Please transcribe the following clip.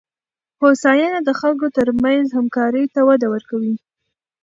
هوساینه د خلکو ترمنځ همکارۍ ته وده ورکوي.